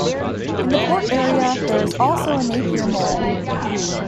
In the port area, there is also a Napier Mole.